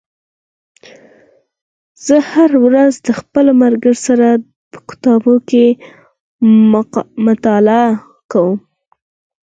زه هره ورځ د خپلو ملګرو سره په کتابتون کې مطالعه کوم